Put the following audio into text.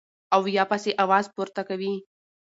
او يا پسې اواز پورته کوي -